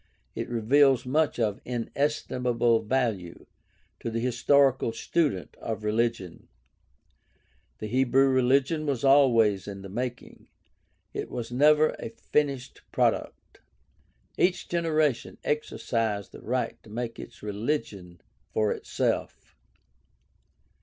It reveals much of inestimable value to the historical student of religion. The Hebrew religion was always "in the making"; it was never a finished product. Each generation exercised the right to make its religion for itself.